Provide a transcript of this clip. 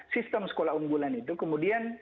sistem sekolah unggulan itu kemudian